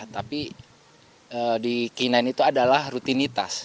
tapi di kainai itu adalah rutinitas